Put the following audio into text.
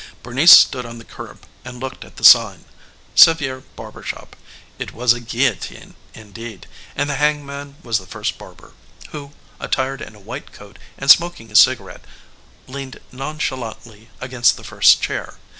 Bernice stood on the curb and looked at the sign, Sevier Barber Shop. It was a guillotine indeed, and the hangman was the first barber, who, attired in a white coat and smoking a cigarette, leaned nonchalantly against the first chair.